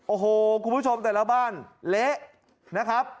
โอ้โหคุณผู้ชมแต่ละบ้านเละนะครับ